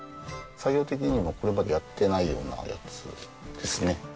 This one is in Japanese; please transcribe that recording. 作業的にもこれまでやってないようなやつですね。